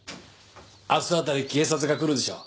明日あたり警察が来るでしょう。